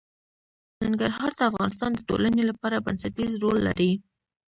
ننګرهار د افغانستان د ټولنې لپاره بنسټيز رول لري.